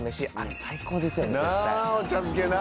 なお茶漬けな。